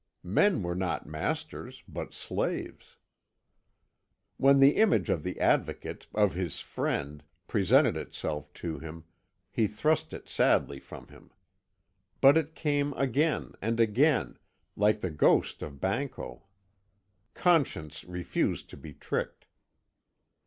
Men were not masters, but slaves. When the image of the Advocate, of his friend, presented itself to him, he thrust it sadly from him. But it came again and again, like the ghost of Banquo; conscience refused to be tricked.